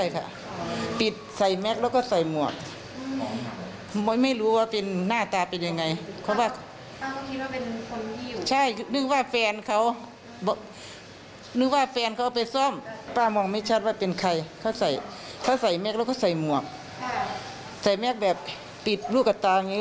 เขาใส่แมสซ์แล้วก็ใส่มวกใส่แมสซ์แบบปิดลูกกับตาอย่างนี้